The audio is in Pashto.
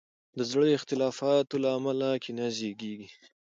د زړو اختلافاتو له امله کینه زیږیږي.